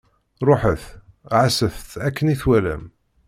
Ṛuḥet, ɛasset-tt akken i twalam.